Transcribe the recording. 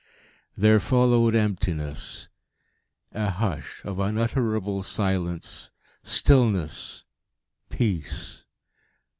There followed emptiness a hush of unutterable silence, stillness, peace.